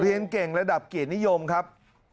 เรียนเก่งระดับเกียรตินิยมครับ